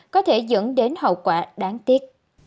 có thể dẫn đến hậu quả đáng tiếc